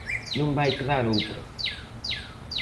Non vai quedar outra.